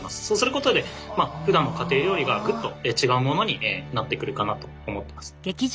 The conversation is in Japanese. そうすることでふだんの家庭料理がぐっと違うものになってくるかなと思ってます。